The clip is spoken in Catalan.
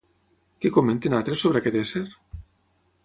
Què comenten altres sobre aquest ésser?